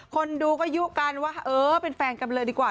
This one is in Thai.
คนดูก็ยุกันว่าเออเป็นแฟนกันเลยดีกว่า